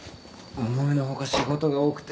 思いの外仕事が多くて。